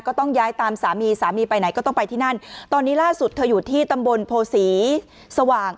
ก็ต้องย้ายตามสามีสามีไปไหนก็ต้องไปที่นั่นตอนนี้ล่าสุดเธออยู่ที่ตำบลโพศีสว่าง